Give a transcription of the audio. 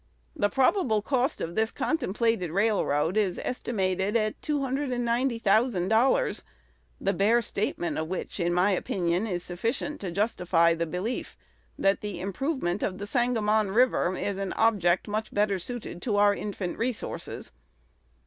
The probable cost of this contemplated railroad is estimated at $290,000; the bare statement of which, in my opinion, is sufficient to justify the belief that the improvement of the Sangamon River is an object much better suited to our infant resources.